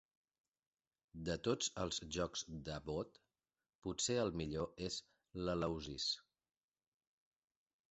De tots els jocs d'Abbott, potser el millor és l'Eleusis.